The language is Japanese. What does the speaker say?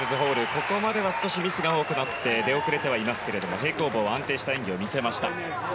ここまでは少しミスが多くなって出遅れてはいますけれども平行棒は安定した演技を見せました。